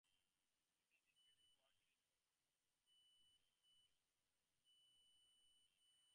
Eidlitz did graduate work at the University of Pennsylvania and at Columbia University.